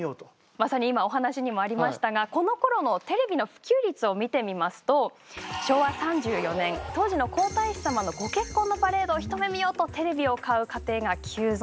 まさに今お話にもありましたがこのころのテレビの普及率を見てみますと昭和３４年当時の皇太子さまのご結婚のパレードを一目見ようとテレビを買う家庭が急増。